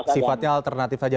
sifatnya alternatif saja